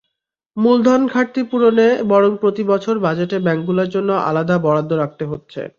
মূলধন ঘাটতি পূরণে বরং প্রতিবছর বাজেটে ব্যাংকগুলোর জন্য আলাদা বরাদ্দ রাখতে হচ্ছে।